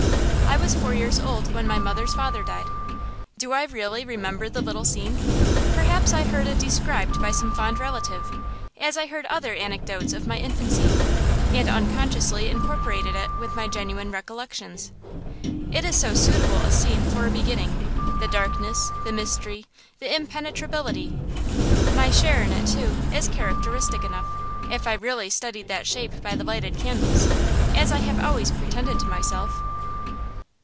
I was four years old when my mother's father died. Do I really remember the little scene? Perhaps I heard it described by some fond relative, as I heard other anecdotes of my infancy, and unconsciously incorporated it with my genuine recollections. It is so suitable a scene for a beginning: the darkness, the mystery, the impenetrability. My share in it, too, is characteristic enough, if I really studied that Shape by the lighted candles, as I have always pretended to myself.